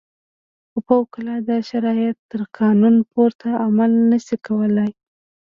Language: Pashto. خو فوق العاده شرایط تر قانون پورته عمل نه شي کولای.